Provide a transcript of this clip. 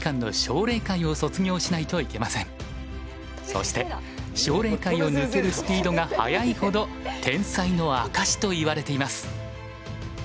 そして奨励会を抜けるスピードが速いほど天才の証しといわれています。